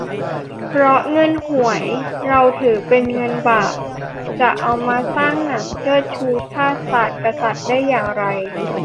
เพราะเงินหวยเราถือเป็น 'เงินบาป' จะเอามาสร้างหนังเชิดชู ชาติ ศาสน์ กษัตริย์ ได้อย่างไร